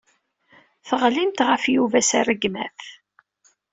Teɣlimt ɣef Yuba s rregmat.